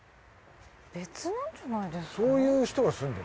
別なんじゃないですか？